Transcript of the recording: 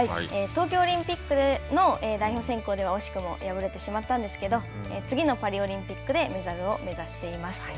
東京オリンピックの代表選考では惜しくも敗れてしまったんですが次のパリオリンピックでメダルを目指しています。